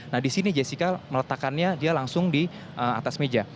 nah di sini jessica meletakkannya dia langsung di atas meja